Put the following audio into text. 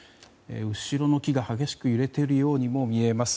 後ろの木が激しく揺れているように見えます。